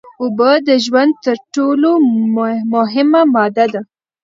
اوبه د ژوند تر ټول مهمه ماده ده